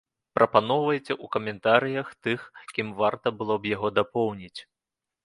Прапаноўвайце ў каментарыях тых, кім варта было б яго дапоўніць.